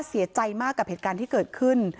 เสียใจมากกับเหตุการณ์ที่เกิดขึ้น